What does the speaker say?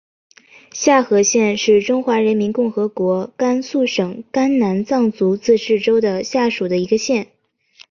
夏河县是中华人民共和国甘肃省甘南藏族自治州下属的一个县。